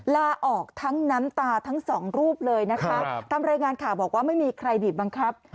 ลาออกทั้งน้ำตาทั้งสองรูปเลยนะคะตามรายงานข่าวบอกว่าไม่มีใครบีบบังคับ